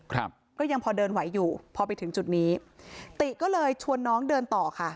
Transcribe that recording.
ครับก็ยังพอเดินไหวอยู่พอไปถึงจุดนี้ติก็เลยชวนน้องเดินต่อค่ะ